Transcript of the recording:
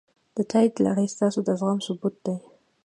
د تایید لړۍ ستاسو د عزم ثبوت دی.